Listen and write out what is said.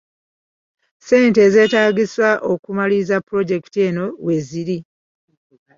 Ssente ezeeetaagisa okumaliriza pulojekiti eno weeziri.